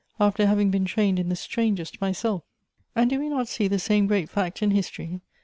after having been trained in the strangest mjiself. And do wo not see the same great fact in history